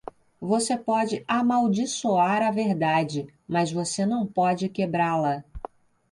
Você pode amaldiçoar a verdade, mas você não pode quebrá-la.